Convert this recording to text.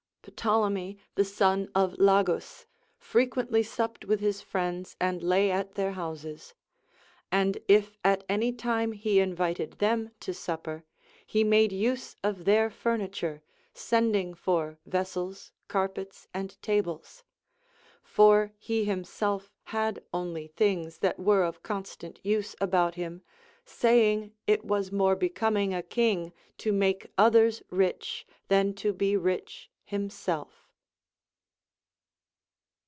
Ptolemy, the son of Lagus, frequently supped with his friends and lay at their houses ; and if at any time he invited them to supper, he made use of their fur niture, sending for vessels, carpets, and tables ; for he him self had only things that were of constant use about him, saying it Avas more becoming a king to make others rich than to be rich himself.